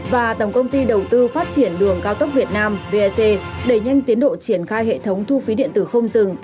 và tổng công ty đầu tư phát triển đường cao tốc việt nam vec đẩy nhanh tiến độ triển khai hệ thống thu phí điện tử không dừng